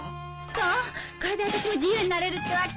そうこれで私も自由になれるってわけ。